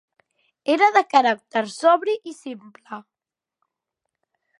Era de caràcter sobri i simple.